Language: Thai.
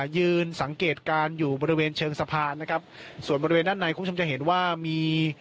ยืนสังเกตการณ์อยู่บริเวณเชิงสะพานนะครับส่วนบริเวณด้านในคุณผู้ชมจะเห็นว่ามี